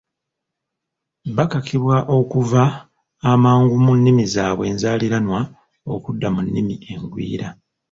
Bakakibwa okuva amangu mu nnimi zaabwe enzaaliranwa okudda mu nnimi engwira